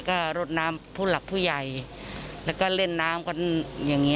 ก็รดน้ำผู้หลักผู้ใหญ่แล้วก็เล่นน้ำกันอย่างนี้